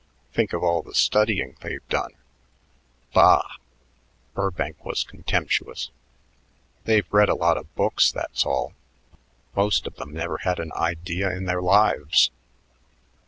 Think of all the studying they've done." "Bah." Burbank was contemptuous. "They've read a lot of books, that's all. Most of them never had an idea in their lives.